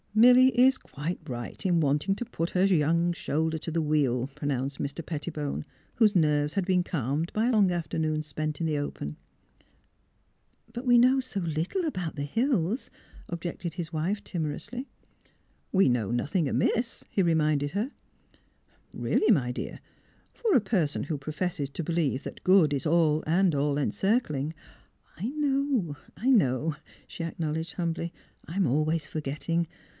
" Milly is quite right in wanting to put her young shoulder to the wheel," pronounced Mr. Pettibone, whose nerves had been calmed by a long afternoon spent in the open. " But we know so little about the Hills," ob jected his wife, timorously. " We know nothing amiss," he reminded her. " Really, my dear, for a person who professes to believe that Good is All and All Encircling, you '''' I know — I know, '' she acknowledged, humbly. "I'm always forgetting.